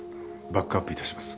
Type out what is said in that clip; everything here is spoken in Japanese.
バックアップ致します。